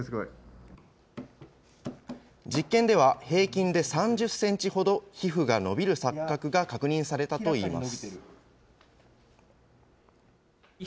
実験では、平均で３０センチほど、皮膚が伸びる錯覚が確認されたといいます。